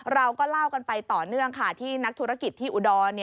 เราก็เล่ากันไปต่อเนื่องค่ะที่นักธุรกิจที่อุดร